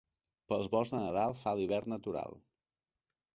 Pels volts de Nadal fa l'hivern natural.